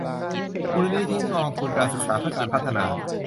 มูลนิธิกองทุนการศึกษาเพื่อการพัฒนา